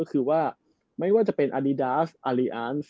นี่คือว่าไม่ว่าจะเป็นอารีดาร์ซอารีอันนซ์